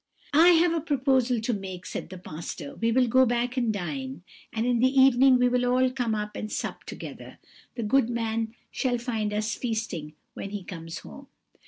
"'I have a proposal to make,' said the pastor; 'we will go back and dine, and in the evening we will all come up and sup together; the good man shall find us feasting when he comes home.'